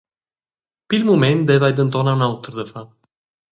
Pil mument deva ei denton aunc auter da far.